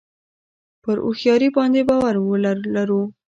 پر هوښیاري باندې باور لرو.